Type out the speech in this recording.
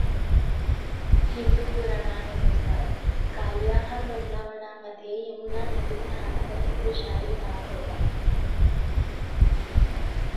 हिंदू पुराणांनुसार कालिया हा वृंदावनामध्ये यमुना नदीत राहणारा एक विषारी नाग होता.